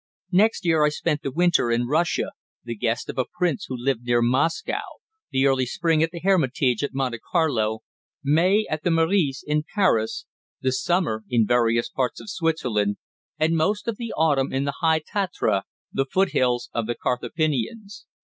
Next year I spent the winter in Russia, the guest of a prince who lived near Moscow; the early spring at the Hermitage at Monte Carlo; May at the Meurice in Paris; the summer in various parts of Switzerland, and most of the autumn in the high Tatra, the foot hills of the Carpathians.